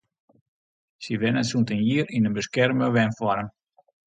Sy wennet sûnt in jier yn in beskerme wenfoarm.